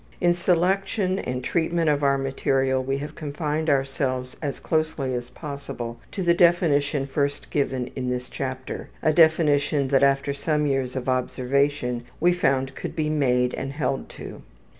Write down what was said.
In selection and treatment of our material we have confined ourselves as closely as possible to the definition first given in this chapter a definition that after some years of observation we found could be made and held to.